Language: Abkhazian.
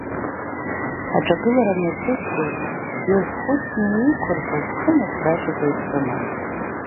Аҿагылара мҩаԥызгоз иазхәыцны еиқәыршәаз хы-мҩаԥгашьак еицрыман.